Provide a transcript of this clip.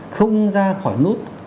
không ra khỏi nút